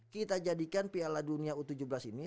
kita jadikan piala dunia u tujuh belas ini